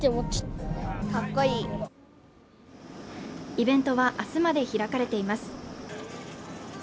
イベントは明日まで開かれています。